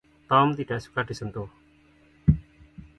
Tom tidak suka disentuh.